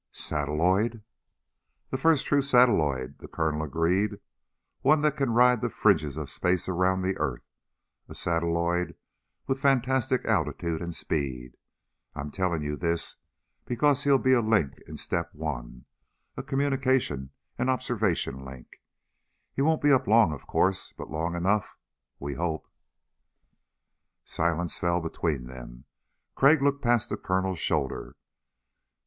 "Satelloid?" "The first true satelloid," the Colonel agreed. "One that can ride the fringes of space around the earth. A satelloid with fantastic altitude and speed. I'm telling you this because he'll be a link in Step One, a communication and observation link. He won't be up long, of course, but long enough we hope." Silence fell between them. Crag looked past the Colonel's shoulder.